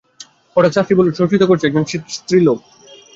হঠাৎ শাস্ত্রী বলে বসল, শত্রুতা করছে একজন স্ত্রীলোক।